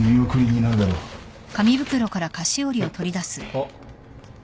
あっ。